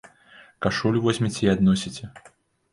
Кашулю возьмеце і адносіце.